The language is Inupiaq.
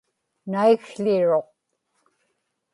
naikł̣iruq